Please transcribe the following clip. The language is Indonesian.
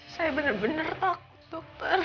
saya bener bener takut dokter